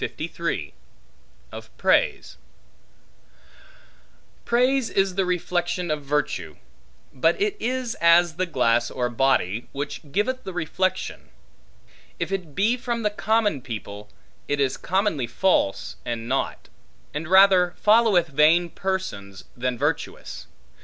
Of Praise PRAISE is the reflection of virtue; but it is as the glass or body, which giveth the reflection. If it be from the common people, it is commonly false and naught; and rather followeth vain persons, than virtuous.